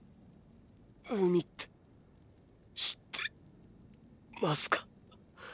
海って知ってますか？